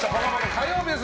火曜日です。